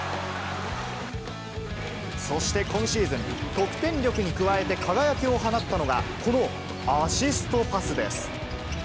そして今シーズン、得点力に加えて輝きを放ったのが、このアシストパスです。